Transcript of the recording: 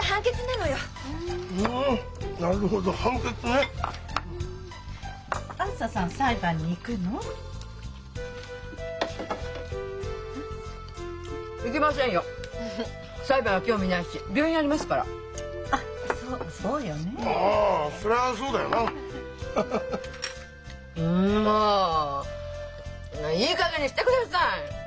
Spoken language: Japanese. んもういいかげんにしてください！